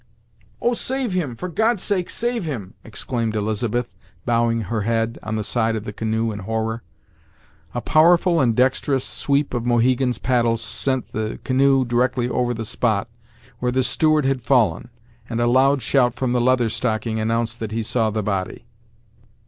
"Oh! save him! for God's sake, save him!" exclaimed Elizabeth, bowing her head on the side of the canoe in horror. A powerful and dexterous sweep of Mohegan's paddle sent the canoe directly over the spot where the steward had fallen, and a loud shout from the Leather Stocking announced that he saw the body.